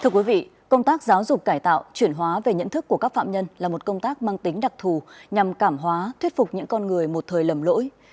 thưa quý vị công tác giáo dục cải tạo chuyển hóa về nhận thức của các phạm nhân là một công tác mang tính đặc thù nhằm cảm hóa thuyết phục những con người một thời lầm lỗi